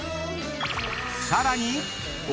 ［さらに］お！